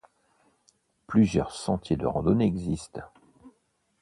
Plusieurs sentiers de randonnée existent.